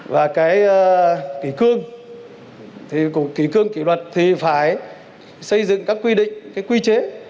và cái kỳ cương thì cũng kỳ cương kỳ luật thì phải xây dựng các quy định cái quy chế